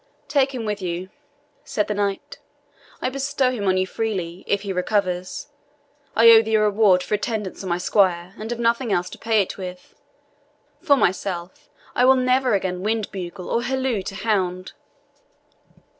"Take him with you," said the knight. "I bestow him on you freely, if he recovers. I owe thee a reward for attendance on my squire, and have nothing else to pay it with. For myself, I will never again wind bugle or halloo to hound!"